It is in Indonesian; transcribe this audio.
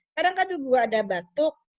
kadang kadang gue ada batuk